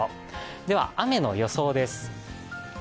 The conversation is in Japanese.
では雨の予想です。